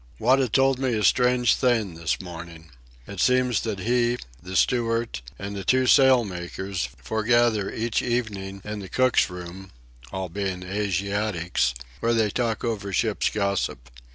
Wada told me a strange thing this morning. It seems that he, the steward, and the two sail makers foregather each evening in the cook's room—all being Asiatics—where they talk over ship's gossip.